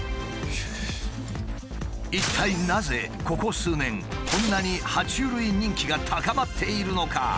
一体なぜここ数年こんなには虫類人気が高まっているのか？